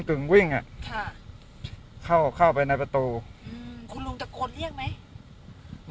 กึ่งวิ่งอ่ะค่ะเข้าเข้าไปในประตูอืมคุณลุงตะโกนเรียกไหม